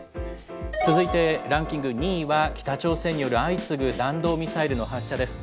続いてランキング２位は、北朝鮮による相次ぐ弾道ミサイルの発射です。